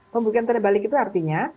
pembuktian terbalik itu artinya